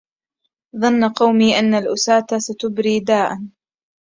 ظن قومي أن الأساة ستبري داء